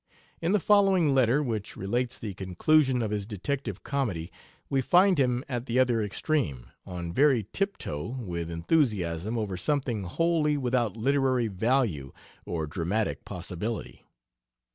In the following letter, which relates the conclusion of his detective comedy, we find him at the other extreme, on very tiptoe with enthusiasm over something wholly without literary value or dramatic possibility.